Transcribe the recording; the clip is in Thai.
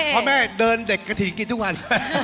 เพราะแม่เดินเด็กกระถิกินทุกวัน